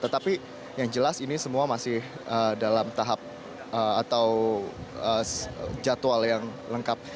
tetapi yang jelas ini semua masih dalam tahap atau jadwal yang lengkap